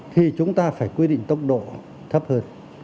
thì chúng ta phải quy định tốc độ thấp hơn